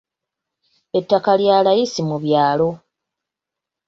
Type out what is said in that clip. Ettaka lya layisi mu byalo.